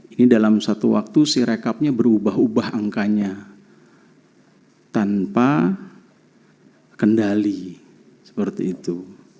ini dalam satu waktu si rekapnya berubah ubah angkanya tanpa kendali seperti itu